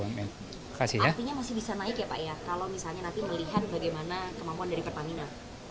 artinya masih bisa naik ya pak ya kalau misalnya nanti melihat bagaimana kemampuan dari pertamina